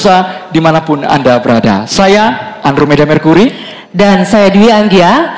saya andromeda mercury dan saya dwi anggia